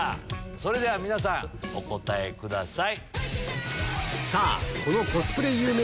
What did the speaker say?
それでは皆さんお答えください。